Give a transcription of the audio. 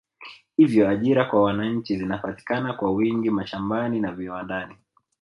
Hivyo ajira kwa wananchi zinapatikana kwa wingi mashambani na viwandani